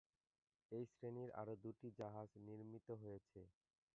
এই শ্রেণীর আরও দুটি জাহাজ নির্মিত হয়েছে।